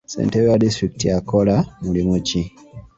Ssentebe wa disitulikiti akola mulimu ki?